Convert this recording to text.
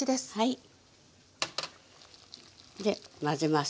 で混ぜます。